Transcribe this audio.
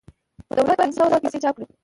دولت باید پنځه سوه زره پیسې چاپ کړي